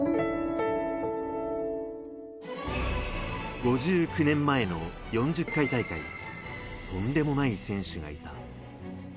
５９年前の４０回大会、とんでもない選手がいた。